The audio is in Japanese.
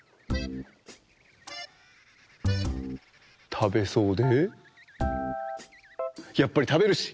たべそうでやっぱりたべるし。